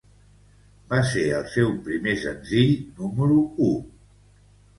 Va ser el seu primer senzill número u.